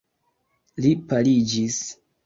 Li paliĝis.